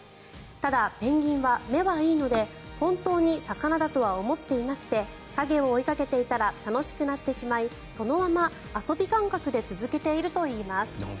ただ、ペンギンは目はいいので本当に魚だとは思っていなくて影を追いかけていたら楽しくなってしまいそのまま遊び感覚で続けているといいます。